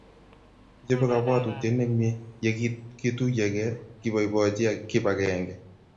kichobe kobwotutiet nemie ye kituiyegeei keboibochii kip agenge